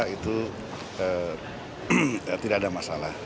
itu tidak ada masalah